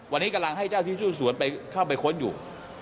วันนี้กำลังให้เจ้าที่ชื่อสวนไปเข้าไปค้นอยู่